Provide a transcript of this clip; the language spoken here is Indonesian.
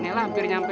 nella hampir nyampe